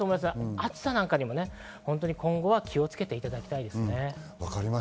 暑さにも今後は気をつけていただきたいです。